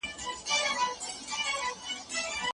ما په تنکیواله کي د مینې کیسې لوستې.